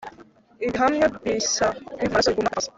Ibihamya bishyabiva amaraso biguma kuba impfabusa